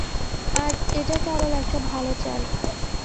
আর এটা কেবল একটা ভালো চাল।